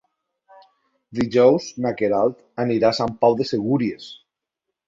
Dijous na Queralt anirà a Sant Pau de Segúries.